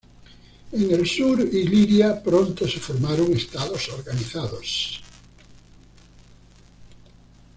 En el sur Iliria pronto se formaron estados organizados.